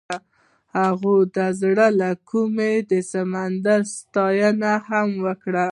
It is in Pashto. هغې د زړه له کومې د سمندر ستاینه هم وکړه.